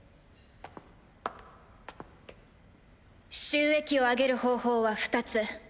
収益を上げる方法は２つ。